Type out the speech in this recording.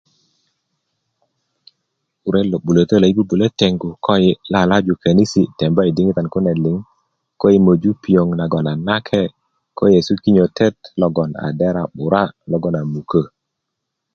ret lo 'bulötö lo yi bubulö tengu ko yi lalaju konisi temba i diŋitan kune liŋ ko yi möju pioŋ na nake ko yi yesu kinyötöt logon a dera 'bura logon a mukö